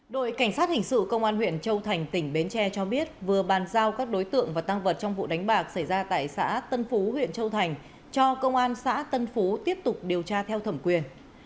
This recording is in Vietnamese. đội cảnh sát hình sự công an huyện châu thành tỉnh bến tre cho biết vừa bàn giao các đối tượng và tăng vật trong vụ đánh bạc xảy ra tại xã tân phú huyện châu thành cho công an xã tân phú tiếp tục điều tra theo thẩm quyền